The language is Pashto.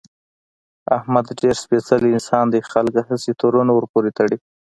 احمد ډېر سپېڅلی انسان دی، خلک هسې تورونه ورپورې تړي.